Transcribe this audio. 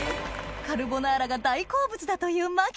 カルボナーラが大好物だという牧瀬さん